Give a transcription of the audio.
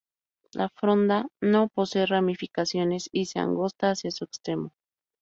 La fronda no posee ramificaciones y se angosta hacia su extremo.